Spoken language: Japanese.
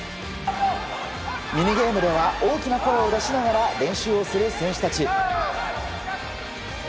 ミニゲームでは大きな声を出しながら練習をする選手たち。